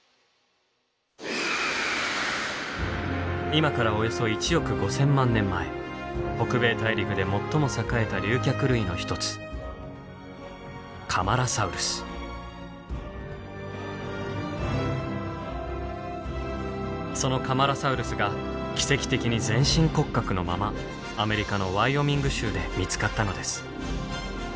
今からおよそ１億５，０００万年前北米大陸で最も栄えた竜脚類の一つそのカマラサウルスが奇跡的に全身骨格のままアメリカのワイオミング州で見つかったのです。